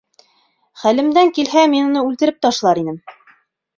Хәлемдән килһә, мин уны үлтереп ташлар инем.